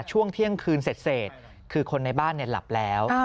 ช่วงเที่ยงคืนเสร็จคือคนในบ้านหลับแล้ว